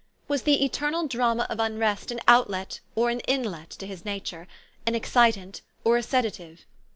Was the eternal drama of unrest an outlet, or an inlet, to his nature ; an excitant, or a sedative